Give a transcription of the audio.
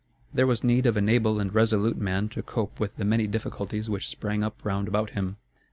There was need of an able and resolute man to cope with the many difficulties which sprang up round about him.